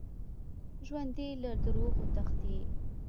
ژوندي له دروغو تښتي